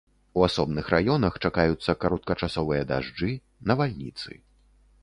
У асобных раёнах чакаюцца кароткачасовыя дажджы, навальніцы.